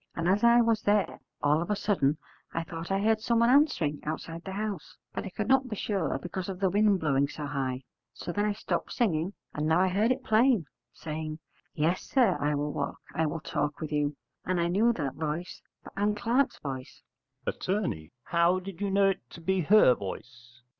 And as I was there all of a sudden I thought I heard someone answering outside the house, but I could not be sure because of the wind blowing so high. So then I stopped singing, and now I heard it plain, saying, 'Yes, sir, I will walk, I will talk with you,' and I knew the voice for Ann Clark's voice. Att. How did you know it to be her voice?